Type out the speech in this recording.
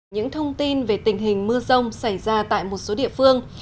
những thông tin về tình hình mưa rông xảy ra tại một số địa phương